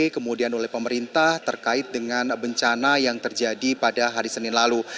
kemudian oleh pemerintah terkait dengan bencana yang terjadi pada hari senin lalu